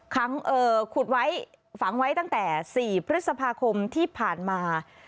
ขุดไว้ฝังไว้ตั้งแต่๔พฤษภาคมที่ผ่านมา